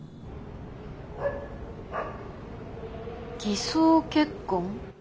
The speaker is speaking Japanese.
偽装結婚？